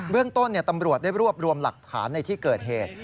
เรื่องต้นตำรวจได้รวบรวมหลักฐานในที่เกิดเหตุ